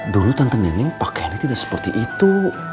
dulu tante neneng pakaiannya tidak seperti itu